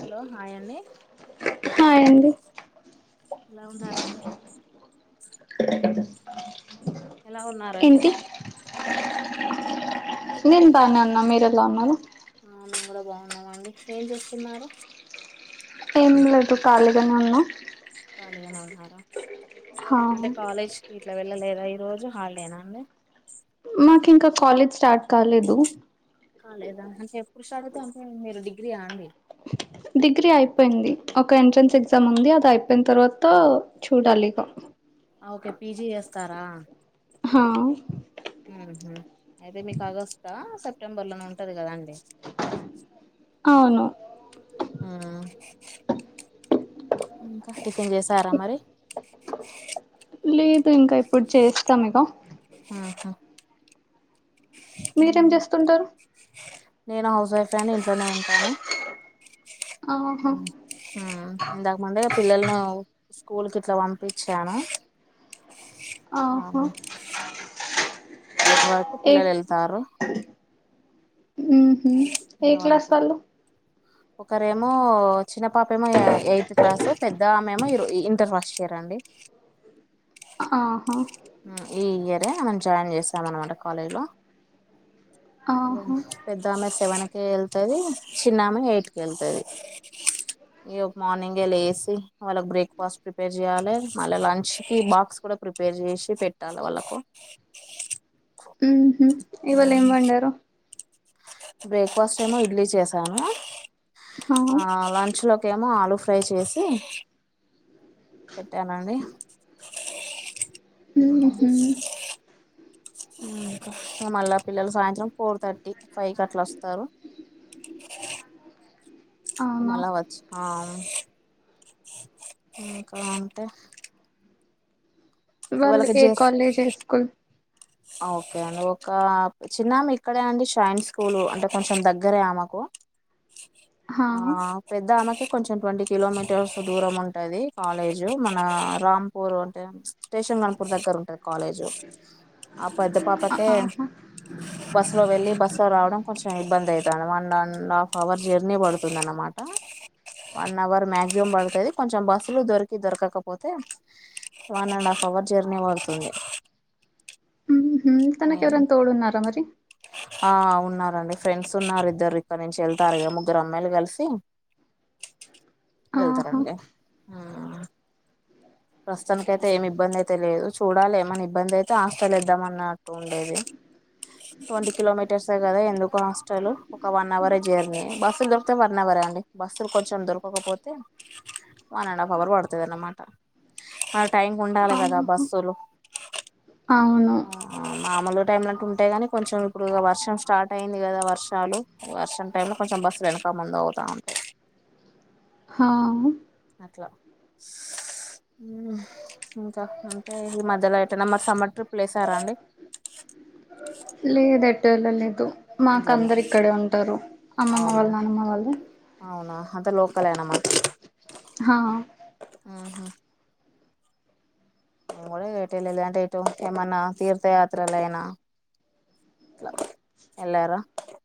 Hello hi అండి hi అండి ఎలా ఉన్నారండి ఎలా ఉన్నారండి ఏంటి నేన్ బానే ఉన్న మీరెలాఉన్నారు అందరం బాగున్నామండి ఏం చూస్తున్నారు ఏం లేదు ఖాళీగానే ఉన్నా ఖాళీగానే ఉన్నార హా అంటే కాలేజ్ ఇట్లా వెళ్ళలేదా ఈ రోజు హాలిడేనా అండి మాకు ఇంకా కాలేజ్ స్టార్ట్ కాలేదు కాలేదా అంటే ఎప్పుడు స్టార్ట్ అవుతాయ్ అంటే మీరు డిగ్రీ అండి డిగ్రీ అయిపోయింది ఒక ఎంట్రన్స్ ఓకే ఎగ్జామ్ ఉంది అది అయిపోయిన తర్వాత చూడాలి ఇగ ఓకే పీజీ చేస్తారా హా అయితే మీకు ఆగస్ట్ట సెప్టెంబర్ లోనే ఉంటది కదా అండి అవును ఆ ఇంకా టిఫెన్ చేసారా మరి లేదు ఇంకా ఇప్పుడు చేస్తానిగా ఆహా మీరేం చేస్తుంటారు నేను హౌస్ వైఫ్ అని ఇంట్లోనే ఉంటాను ఆహా ఉ ఇంతాక ముందె పిల్లలను స్కూల్ కి ఇట్లా పంపించాను ఆహో అవును ఎయిట్ వరకు పిల్లలు ఎళ్తారు ఊహ్మ్ ఇగ ఏ క్లాస్ వాళ్ళకు వాళ్ళు ఒకరేమో చిన్న పాపేమో ఎయిత్ క్లాసు పెద్దమేమో ఇంటర్ ఫస్ట్ ఇయరండి ఆహా ఈ ఇయరే అమ్మేను జాయిన్ చేసాం అనమాట కాలేజ్లో ఆహా పెద్దామె సెవెన్ కి వెళ్తుది చిన్నమే ఎయిట్కి వెళ్తుది అ ఇక మార్నింగ్ ఎ లేసి వాళ్ళకి బ్రేక్ఫాస్ట్ ప్రిపేర్ చెయాలి, మళ్ళీ లంచ్ కి బాక్స్ కూడా ప్రిపేర్ చేసి పెట్టాల వాళ్ళకు. మ్ హు ఇవాళ ఏం వండారు? బ్రేక్ఫాస్ట్ ఏమో ఇడ్లీ చేసాను, హా ఆ లంచ్ లో కేమో ఆలుూ ఫ్రై చేసి పెట్టానండి. మ్ తుమ్ మ్ మళ్ళా పిల్లలు సాయంత్రం ఫోర్ థర్టీ, ఫైవ్ కి అట్ల వస్తారు. అవునా మళ్ళ వచ్చి ఆమ్ ఇంకా అంటే వాళ్ళు ఇవాళకి ఏ కాలేజ్ ఏ స్కూల్ ఓకె అండి ఒక చిన్నామె ఇక్కడే అండి షైన్ స్కూల్ అంటే కొంచెం దగ్గరే ఆమెకు హా ఆ పెద్ద ఆమెకి కొంచెం ట్వంటీ కిలోమీటర్స్ దూరం ఉంటది కాలేజు మన రాంపూర్ అంటే స్టేషన్ గణపూర్ దగ్గర ఉంటది కాలేజు ఆ పెద్ద పాపకె ఆహా బస్ లో వెళ్ళి బస్సు లో రావడం కొంచెం ఇబ్బంది అయితాంది, one and half hour journey పడుతుంది అనమాట. వన్ అవర్ మాక్సిమం పడుతుది కొంచెం బస్సులు దొరికి దొరకకపోతే, one and half hour journey పడుతుంది. మ్ హు తనకి ఎవరన్నా తోడు ఉన్నారా మరి? ఆ ఉన్నారండి ఫ్రెండ్స్ ఉన్నారు ఇద్దరు ఇక్కడి నుంచి వెళ్తారు గా ముగ్గురు అమ్మాయిలు కలిసి, ఆహా వెళ్తారండి మ్ ప్రస్తుతానికి అయితే ఏమి ఇబ్బంది అయితే లేదు చూడాలి ఏమనా ఇబ్బంది అయితే హాస్టల్లో ఏద్దాం అన్నట్టు ఉండేది. ట్వంటీ కిలోమీటర్సే కదా ఎందుకు హాస్టల్? ఒక వన్ అవరె జర్నీ బస్సులు దొరికితే వన్ అవరె అండి, బస్సులు కొంచెం దొరకకపోతే వన్ అండ్ హాఫ్ అవర్ పడతది అన్నమాట. ఆ టైంకి ఉండాలి కదా ఆహా బస్సులు అవును మామూలు టైమ్ ల అంటే ఉంటాయి కాని, కొంచెం ఇప్పుడు ఇగ వర్షం స్టార్ట్ అయింది కదా వర్షాలు వర్షం టైమ్ లో కొంచెం బస్సులు వెనక ముందు అవుతా ఉంటాయి. హా అట్ల మ్ ఇంకా అంటే ఈ మధ్యలో ఎటన మరి సమ్మర్ ట్రిప్లు ఏసారా అండి? లేదు ఎటు ఎళ్ళలేదు మాకు ఇంట్లోనే అందరు ఇక్కడే ఉంటారు, అమ్మమ్మ అవునా వాళ్ళు నానమ్మ వాళ్ళు. అవునా అంతా లోకలే అన్నమా హ మ్హ్ మేము కూడా ఇగ ఎటు ఎల్లలా అంటే ఎటు ఏమన్నా తీర్థయాత్రలయినా ఇట్ల ఎల్లార?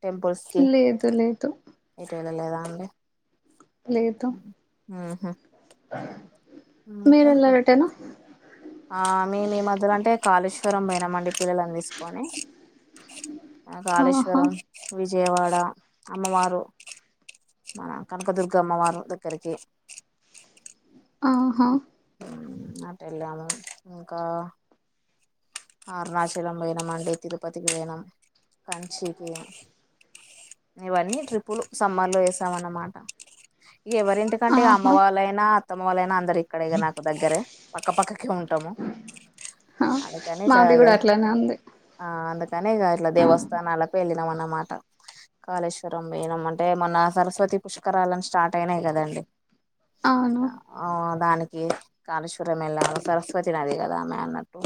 టెంపుల్స్ కి లేదు లేదు ఎటు ఎళ్లలేదా అండి? మ్ మ్హ్ ఆ ఇంకా ఆ మేం ఈ మధ్యలో అంటే కాళేశ్వరం పోయినామండి పిల్లలని తీసుకొని ఆ ఆహా కాళేశ్వరం, విజయవాడ అమ్మవారు మన కనకదుర్గ అమ్మవారి దగ్గరికి. ఆహా మ్ అటు ఎళ్ళాము ఇంకా అరుణాచలం పోయినాం అండి తిరుపతికి పోయినాం కంచిీకి ఇవన్నీ ట్రిప్పుల్ సమ్మర్ లో వేస్తాం అన్నమాట ఎవరి ఎందుకంటే అమ్మ ఆహా వాళ్ళైనా అత్తమ్మ వాళ్ళైనా అందరు ఇక్కడే నాకు దగ్గరే పక్కపక్కకిే ఉంటాము హా అందుకని మాది ఇట్లాగ కూడా అట్లానే ఉంది ఆ అందుకనే ఇగ ఇట్లా దేవస్థానాలకు వెళ్ళినాం అన్నమాట కాళేశ్వరం మేనం అంటే మన సరస్వతి పుష్కరాలను స్టార్ట్ ట్టయినయి కదా అండి అవును దానికి కాళేశ్వరం వెళ్ళి సరస్వతి నది కదా ఆమె అన్నట్టు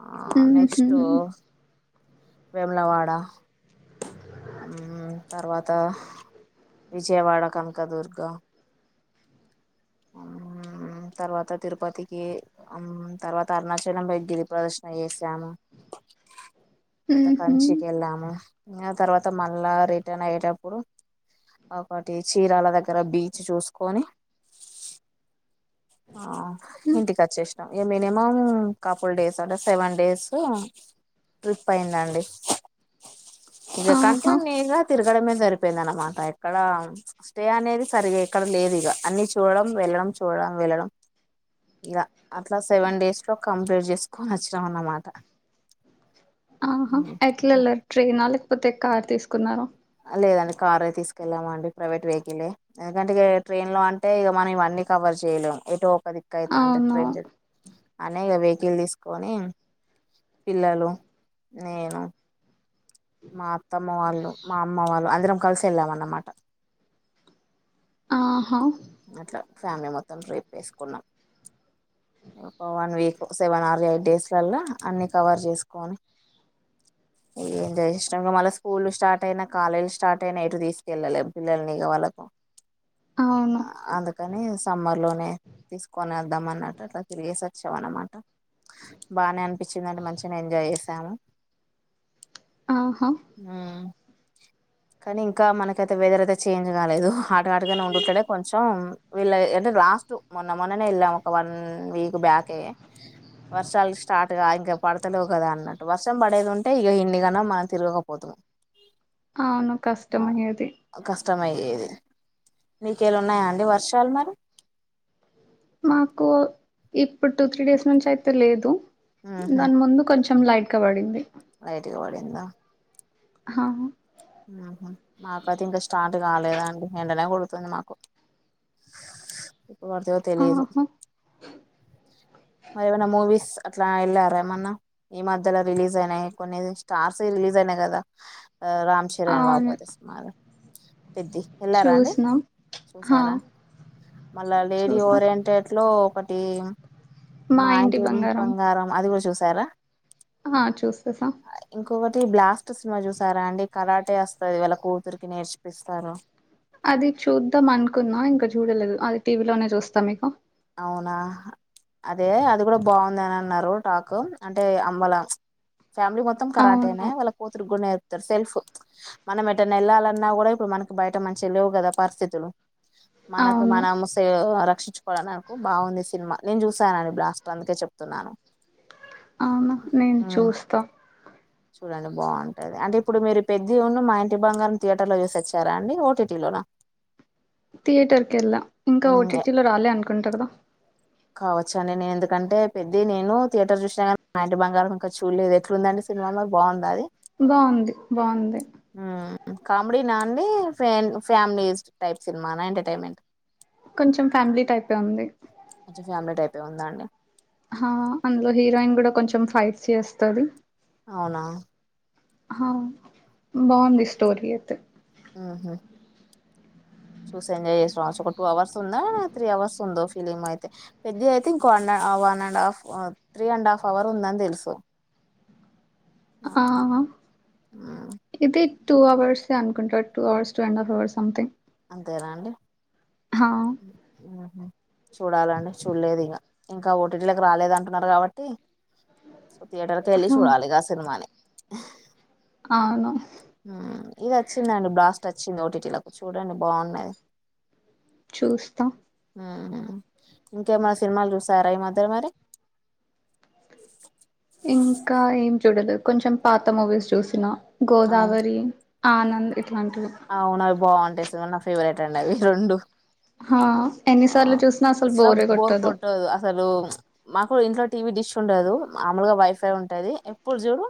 ఆ ఉహు నెక్స్ట్ వేములవాడ ఉమ్ తర్వాత విజయవాడ కనకదుర్గ మ్ తర్వాత తిరుపతికి తర్వాత అరుణాచలంపైై గిరి ప్రదర్శన చేసాము తర్వాత ఉహు కంచికి వెళ్ళాము ఇంకా తర్వాత మళ్ళా రిటర్న్ అయ్యేటప్పుడు ఒకటి చీరాల దగ్గర బీచ్ చూసుకొని ఆ ఇంటికి వచ్చేసినాం ఎ మినిమం కపుల్ డేస్ అంటే సెవెన్ డేస్ ట్రిప్ అయిందండి ఇక ఆహా కంటిన్యూగ తిరగడమే సరిపోయింది అనమాట ఎక్కడ స్టే అనేది సరిగ ఎక్కడ లేదు ఇక అన్ని చూడడం వెళ్ళడం చూడ వెళ్ళడం ఇగ అట్లా సెవెన్ డేస్ లో కంప్లీట్ చేసుకొని వచ్చినాంఅన్నమాట ఆహా ఎట్ల వెళ్లరు ట్రైన లేకపోతే కార్ తీసుకున్నారు లేదండి కారే తీసుకెళ్లాం అండి ప్రైవేట్ వెహికలే ఎందుకంటే ఇక ట్రైన్ లో అంటే ఇక మనం ఇవన్నీ కవర్ చేయలేము ఎటుో ఒక దిక్క అవుత అంటే అవును ట్రైన్ చ అనే ఇక వెహికల్ తీసుకొని పిల్లలు నేను మా అత్తమ్మ వాళ్ళు మా అమ్మ వాళ్ళు అందరం కలిసి వెళ్లాం అన్నమాట ఆహ అట్ల ఫ్యామిలీ మొత్తం పోయి ట్రిప్ వేసుకున్నాం ఒక one week seven or eight days లల్ల అన్ని కవర్ చేసుకోని ఎందయి ఇష్టం మళ్ళీ స్కూల్ స్టార్ట్ అయిన కాలేజ్ స్టార్ట్ అయినా ఎటు తీసుకెళ్ళలేం పిల్లల్ని ఇక వాళకు అవును అందు కని సమ్మర్ లోనే తీసుకొని వెల్ద్దాం అన్నట్టు అట్లా తిరిగేస వచ్చాం అనమాట బానే అనిపించిందండి మంచిగ నె ఎంజాయ్ చేసాము ఆహ హు కానీ ఇంక మనకైతే వెదర్ అయితే చేంజ్ కాలేదు హాట్గా హాట్గానే ఉండుంటనే కొంచెం వీళ్ళ అంటే లాస్ట్ మొన్న మొన్ననే వెళ్ళాము ఒక వన్ వీక్ బ్యాకే వర్షాలు స్టార్ట్ ఇంకా పడతలేవు కదా అన్నట్టు వర్షం పడేది ఉంటే ఇక ఇన్ని కన తిరుగ పోతుం అవును కష్టమయ్యేది కష్టం అయ్యేది నీ కాడ ఉన్నాయా అండి వర్షాలు మరి మాకు ఇప్పుడు టూ త్రీ డేస్ నుంచి అయితే లేదు దాని ముందు కొంచెం లైట్ కబడింది లైట్ గ పడిందా హ ఉహు మాకు అయితే ఇంకా స్టార్ట్ కాలేదా అండి ఎండనే కొడుతుంది మాకు ఇప్పుడు పడతాయో తెలియదు ఆహా మరి ఏమైనా మూవీస్ అట్లా వెళ్ళారా ఏమన్నా ఈ మధ్యలో రిలీజ్ అయినాయి స్టార్ సి రిలీజ్ అయినాయి కదా రామ్ చరణ్ బాబు అవును కొత్త సినిమా పెద్ది వెళ్ళారా అండి చూసినాం హా చూసారా మళ్ళా లేడీ చూసాం ఓరియంటెట్ లో ఒకటి మా ఇంటి బంగారం అది కూడా చూసారా ఆ చూసేసా ఇంకొకటి బ్లాస్ట్ సినిమా చూసారా అండి కరాటే వస్తంది వాళ్ళ కూతురికి నేర్చిపిస్తారు అది చూద్దాం అనుకునా ఇంకా చూడలేదు అది టీవీలోనే చూస్తాం ఇగ అవునా అదే అది కూడా బాగుందిని అన్నారు టాక్ అంటే అంబల ఫ్యామిలీ మొత్తం కరాటేనా అవును వాళ్ళ కూతురికీ కూడా నేర్పుతారు సెల్ఫ్ మనం ఎటన్నా వెళ్ళాలన్నా కూడా ఇప్పుడు మనకి బయట మంచిగా లేవు కదా పరిస్థితులు మనకు అవును మనం సే రక్షించు నాకు బాగుంది సినిమా నేను చూసానండి బ్లాస్ట్ర్ అందుకే చెప్తున్నాను అవునా నేను ఉమ్, చూస్తా చూడండి బాగుంటది అంటే ఇప్పుడు మీరు పెద్ద ఉన్న మా ఇంటి బంగారం థియేటర్ లో చూసి వచ్చారా అండి ఓటీటీలోన థియేటర్ కేళ్ళా ఇంకా ఓటీటీ లో రాలే అనుకుంటారు కదా కావచ్చ అండి నేను ఎందుకంటే పెద్దది నేను థియటర్ చూసినకాని మా ఇంటి బంగారం ఇంకా చూడలేదు ఎట్లుందండి సి సినిమా బాగుందా అది బావుంది బావుంది ఉ కామెడి నా అండి ఫ్రెండ్ ఫ్యామిలీయస్ట్ టైప్ సినిమానా ఎంటర్టైన్మెంట్ కొంచెం ఫ్యామిలీ టైపే ఉంది కొంచెం ఫ్యామిలీ టైపే ఉందా అండి హా అందులో హీరోయిన్ కూడా కొంచెం ఫైట్స్ చేస్తది అవునా హా బావుంది స్టోరీ అయితే ఉ హు చూసి ఎంజాయి చేసినవ్ అసలు ఒక టూ అవర్స్ ఉందా త్రీ అవర్స్ ఉందో ఫిలిమ్ అయితే పెద్ది అయితే ఇంకో వ one and half three and half hour ఉందని తెలుసు ఆహా మ్మ్ ఇది టూ అవర్స్ ఏ అనుకుంటా two hours two and half hours something అంతేనా అండి హ ఉ చూడాలండి చూడలేదు ఇంగా ఇంకా ఓటీటీలకు రాలేద అంటున్నారు కాబట్టి సో థియేటర్ కి వెళ్ళి హా చూడాలి ఇగ ఆ సినిమాని ఆ అవును ఉ ఇది వచ్చిందండి బ్లాస్ట్ వచ్చింది ఓటీటీలకు చూడండి బావున్నది చూస్తా ఉ హు ఇంకేమనా సినిమాలు చూసారా ఈ మధ్య మరి ఇంకా ఏం చూడలేదు కొంచెం పాత మూవీస్ చూసినా అవును గోదావరి ఆనంద్ ఇట్లాంటివి అవునవి బావుంటాయి నిజంగ నా ఫేవరెట్ అండి అవి రెండు హా ఆ ఎన్నిసార్లు చూసినా అసలు బోరే బోర్ కొట్టదు, అసలు మాకు ఇంట్లో టీవీ డిష్ ఉండదు, మామూలుగా వైఫై ఉంటది. ఎప్పుడు చూడు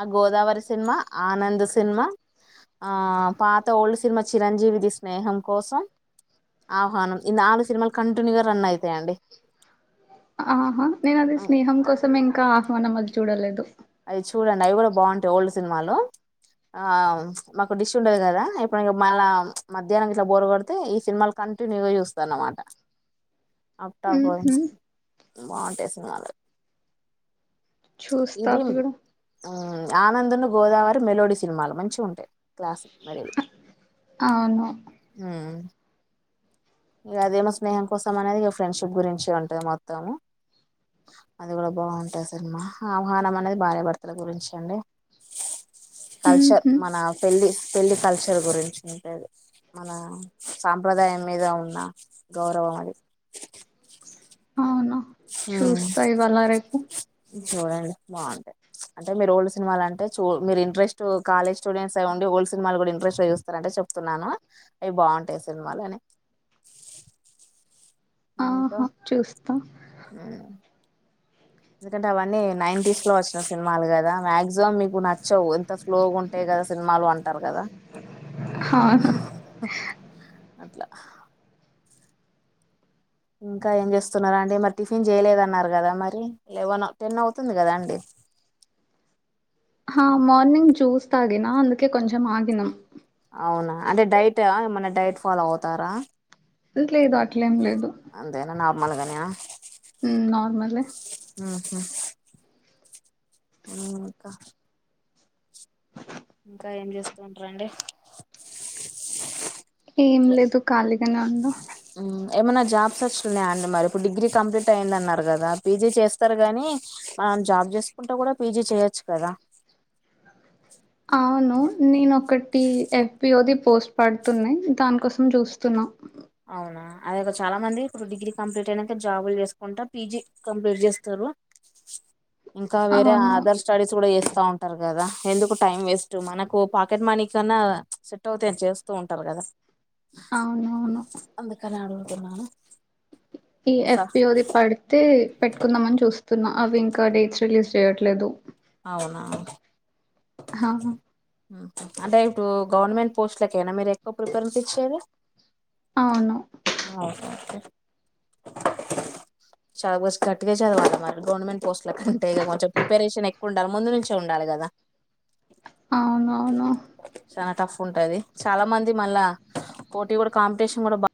ఆ గోదావరి సినిమా, ఆనంద్ సినిమా ఆ పాత ఓల్డ్ సినిమా చిరంజీవిది స్నేహం కోసం ఆహ్వానం ఈ నాలుగు సినిమాలు కంటిన్యూగా రన్ అయితాయండి. ఆహాహా నేను అది స్నేహం కోసం ఇంకా ఆహ్వానం అది చూడలేదు. అవి చూడండి, అవి కూడా బాగుంటాయి ఓల్డ్ సినిమాలు. ఆ మాకు డిష్ ఉండదు కదా ఎప్పుడైనా మళ మధ్యాహ్నం ఇట్లా బోరు కొడితే ఈ సినిమాలు కంటిన్యూగా చూస్తాను అన్నమాట. అంతఃపురం ఉహు బాగుంటాయి సినిమాలు చూస్తా ఇదిం ఇప్పుడు ఆనందున్నూ గోదావరి మెలోడీ సినిమాలు మంచిగ ఉంటాయి క్లాసిక్ [unintelligible] అవును హుమ్ ఇక అదేమో స్నేహ కోసం అనేది ఇగ ఫ్రెండ్షిప్ గురించి ఉంటది మొత్తము. అది కూడా బాగుంటది సినిమా, ఆహ్వానం అనేది భార్యాభర్తల గురించి అండి కల్చర్ ఉహు మన పెళ్ళి పెళ్ళి కల్చర్ గురించి ఉంటది. మన సాంప్రదాయం మీద ఉ న్న గౌరవం అది. అవును మ్మ్, చూస్తా ఇవాళ రేపు చూడండి బాగుంటాయి. అంటే మీరు ఓల్డ్ సినిమాలు అంటే చూ మీరు ఇంట్రెస్ట్ కాలేజ్ స్టూడెంట్స్ అయ్యుండి ఓల్డ్ సినిమాలు కూడా ఇంట్రస్ట్ గా చూస్తారంటే చెప్ ప్తున్నాను అవి బాగుంటాయి సినిమాలు అని ఆహా చూస్తా ఊ ఎందుకంటే అవన్నీ నైన్టీస్ లో వచ్చిన సినిమాలు కదా మాక్సిమం మీకు నచ్చవు ఎంత స్లోగా ఉంట టయి కదా సినిమాలు అంటారు కదా, అవును అట్లా ఇంకా ఏం చేస్తున్నారాండి మరి టిఫిన్ చేయలేదన్నారు కదా మరి లెవెన్ టెన్ అవుతుంది కదా అండి. హ మార్నింగ్ జూస్ తాగినా, అందుకే కొంచం ఆగిన అవునా అంటే డైటా, ఏమన్నా డైట్ ఫాలో అవుతారా? లేదు అట్లేం లేదు అంతేనా నార్మల్గేనా ఉమ్ నార్మలే ఆహా ఇంకా ఇంకా ఏం చేస్తూ ఉంటరండి? ఏం లేదు, ఖాళీగానే ఉన్నా. ఏమన్నా జాబ్స్ వస్తున్నాయండీ, మరి ఇప్పుడు డిగ్రీ కంప్లీట్ అయ్యిందన్నారు కదా పీజీ చేస్తారు గానీ. మనం జాబ్ చేసుకుంటా కూడా పీజీ చెయొచ్చు కదా. అవును నేను ఒకటి ఎఫ్పీఓది పోస్ట్ పడుతున్నాయ్, దానికోసం చూస్తున్నా. అవునా అదిక చాలా మంది ఇప్పుడు డిగ్రీ కంప్లీట్ అయినంక జాబులు చేసుకుంటా పీజీ కంప్లీట్ చేస్తారు. ఇంకా వేరే అవును అదర్శ స్టడీస్ కూడా చేస్తా ఉంటారు కదా, ఎందుకు టైం వేస్ట్ మనకు పాకెట్ మనీ కన్నా అో తేనె చేస్తూ ఉంటారు కదా. అవునవును అందుకనే అడుగుతున్నాను. ఈ ఎఫ్ పి ఓ ది పడితే పెట్టుకుందాం అని చూస్తున్నా అవి ఇంకా డేట్స్ రిలీజ్ చేయట్లేదు అవునా హ అంటే ఇప్పుడు గవర్నమెంట్ పోస్ట్లకైనా మీరు ఎక్కువ ప్రిఫరెన్స్ ఇచ్చేది అవును అవునండి చాలా మోస్ట్ గట్టిగా చదవాలి మరి గవర్నమెంట్ పోస్ట్ల కంటే ఇక కొంచం ప్రిపరేషన్ ఎక్కువ ఉండాలి ముందు నుంచే ఉండాలి కదా అవునవును చాలా టఫ్ ఉంటాది చాలా మంది మళ్ళా పోటీ కూడా కాంపిటీషన్ కూడా బా